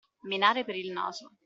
Menare per il naso.